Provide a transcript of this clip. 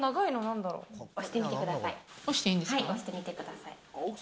押してみてください。